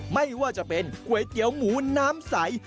ไม่ว่าจะเป็นก๋วยเตี๋ยวหมูน้ำใส